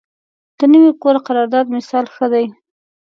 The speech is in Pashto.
د نوي کور قرارداد مثال ښه دی.